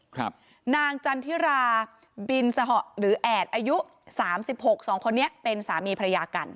นางจันทิราบินสหะหรือแอดอายุสามสิบหกสองคนนี้เป็นสามีภรรยากัน